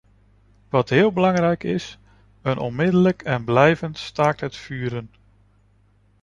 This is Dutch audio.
Wat heel belangrijk is: een onmiddellijk en blijvend staakt-het-vuren.